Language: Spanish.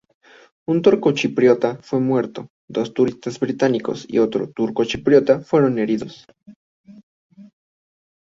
Un turcochipriota fue muerto, dos turistas británicos y otro turcochipriota fueron heridos.